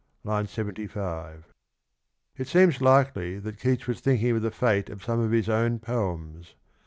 (I. 75) It seems likely that Keats was thinking of the fate of some of his own poems.